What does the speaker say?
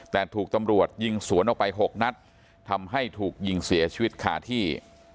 แต่ถูกตำรวจยิงสวนออกไป๖นัดทำให้ถูกยิงเสียชีวิตคาที่